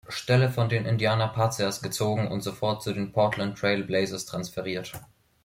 Stelle von den Indiana Pacers gezogen und sofort zu den Portland Trail Blazers transferiert.